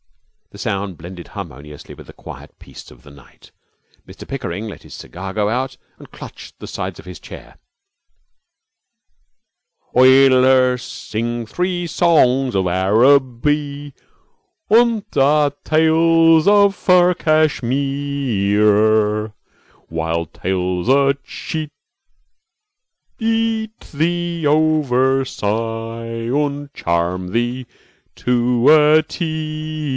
The sound blended harmoniously with the quiet peace of the night. Mr Pickering let his cigar go out and clutched the sides of his chair. Oi'll er sing thee saw ongs ov Arrabee, Und ah ta ales of farrr Cash mee eere, Wi ild tales to che eat thee ovasigh Und charrrrm thee to oo a tear er.